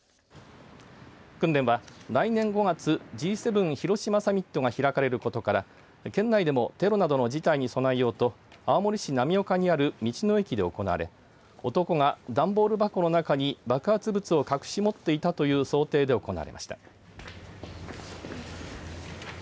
訓練は、来年５月Ｇ７広島サミットが開かれることから県内でもテロなどの事態に備えようと青森市浪岡にある道の駅で行われ男が段ボール箱の中に爆発物を隠し持っていたという想定で行われました。